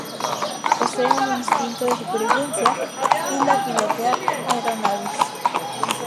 Posee un buen instinto de supervivencia, y la pilotear aeronaves.